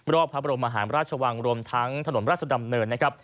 รอบพระบรมมหารราชวังรวมทั้งถนนราชดำเนินนะครับ